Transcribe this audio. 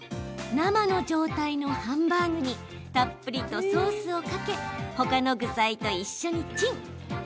生の状態のハンバーグにたっぷりとソースをかけほかの具材と一緒にチン。